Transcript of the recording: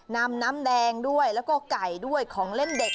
น้ำแดงด้วยแล้วก็ไก่ด้วยของเล่นเด็ก